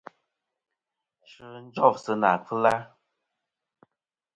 Sfɨ jof sɨ nà kfɨla.